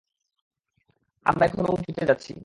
আমরা এখনো উঁচুতে যাচ্ছি।